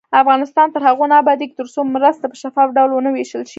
افغانستان تر هغو نه ابادیږي، ترڅو مرستې په شفاف ډول ونه ویشل شي.